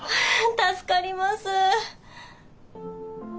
助かります！